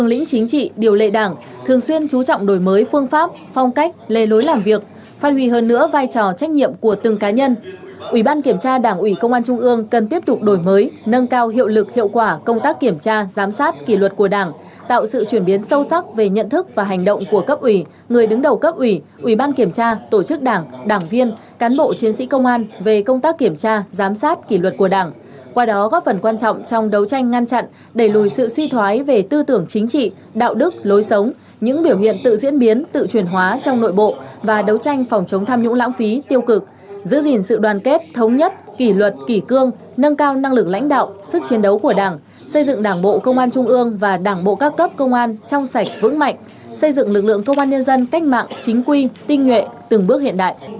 giữ gìn sự đoàn kết thống nhất kỷ luật kỷ cương nâng cao năng lực lãnh đạo sức chiến đấu của đảng xây dựng đảng bộ công an trung ương và đảng bộ các cấp công an trong sạch vững mạnh xây dựng lực lượng công an nhân dân cách mạng chính quy tinh nhuệ từng bước hiện đại